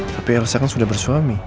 tapi elsa kan sudah bersuami